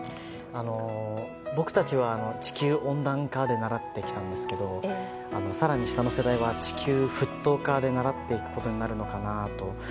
僕たちは地球温暖化で習ってきたんですけど更に下の世代は地球沸騰化で習っていくことになるのかなと。